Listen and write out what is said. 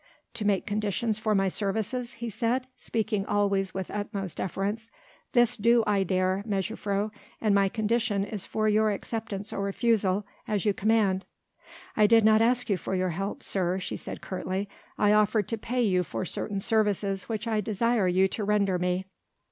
"To make conditions for my services?" he said speaking always with utmost deference, "this do I dare, mejuffrouw, and my condition is for your acceptance or refusal as you command." "I did not ask for your help, sir," she said curtly. "I offered to pay you for certain services which I desire you to render me."